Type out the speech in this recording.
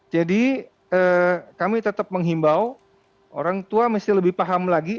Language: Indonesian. jadi kami tetap menghimbau orang tua mesti lebih paham lagi